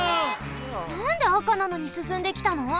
なんであかなのにすすんできたの？